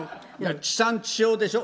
地産地消でしょ。